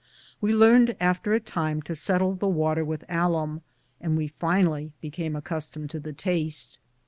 We learned after a time to settle the water with alum, and we finally became accustomed to the taste.